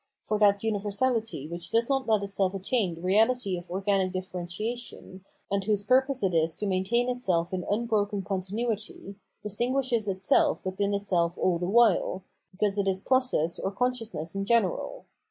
For that umversality which does not let itself attain the reahty of organic differentiation, and whose purpose is to maintain itself in unbroken continuity, distinguishes itself within itself all the while, because it is process or consciousness in general.